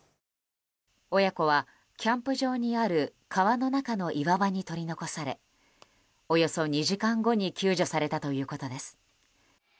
親子はキャンプ場にある川の中の岩場に取り残されおよそ２時間後に救助されたということです。